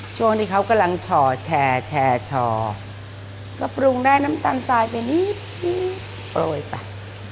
ช่วงที่เขากำลังช่อแชร์ช่อก็ปรุงได้น้ำตาลทรายไปนิดโปรยไป